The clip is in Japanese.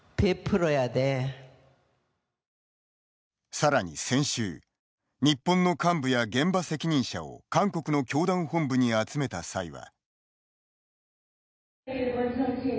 さらに先週日本の幹部や現場責任者を韓国の教団本部に集めた際は。